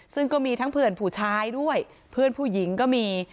ซึ่งก็มีทั้งเพื่อนผู้ชายด้วยเพื่อนผู้หญิงก็มี